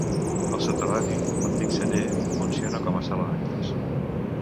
El soterrani, l'antic celler, funciona com a sala d'actes.